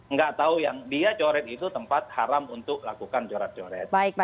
nggak tahu yang dia coret itu tempat haram untuk lakukan coret coret